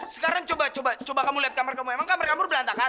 sekarang coba coba kamu lihat kamar kamu emang kamu berantakan